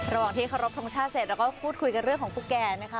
ระหว่างที่เคารพทรงชาติเสร็จเราก็พูดคุยกันเรื่องของตุ๊กแก่นะคะ